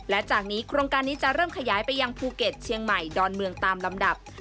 และจากนี้โครงการนี้จะเริ่มขยายไปยังภูเก็ตเชียงใหม่ดอนเมืองตามลำดับ